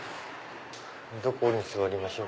どこに座りましょう。